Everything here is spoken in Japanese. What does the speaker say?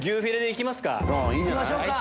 行きましょうか。